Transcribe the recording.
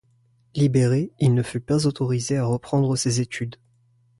Libéré, il ne fut pas autorisé à reprendre ses études.